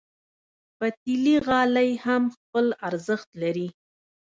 پتېلي غالۍ هم خپل ارزښت لري.